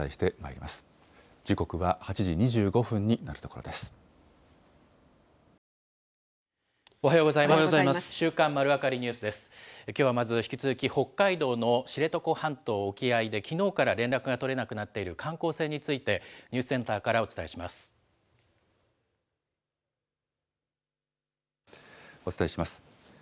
きょうはまず、引き続き、北海道の知床半島沖合できのうから連絡が取れなくなっている観光船について、ニュースセンターからお伝お伝えします。